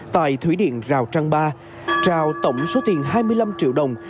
tại thủy điện rào trăng ba trao tổng số tiền hai mươi năm triệu đồng